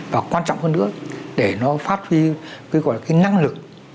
và quan trọng hơn nữa để nó phát huy cái gọi là cái năng lực